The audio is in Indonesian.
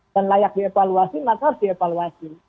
dan layak dievaluasi maka harus dievaluasi